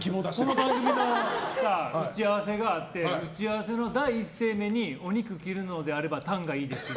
この番組の打ち合わせがあって打ち合わせの第一声目にお肉切るのであればタンがいいですって。